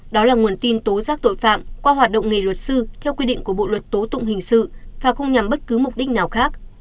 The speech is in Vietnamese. đó là nguồn tin tố giác tội phạm qua hoạt động nghề luật sư theo quy định của bộ luật tố tụng hình sự và không nhằm bất cứ mục đích nào khác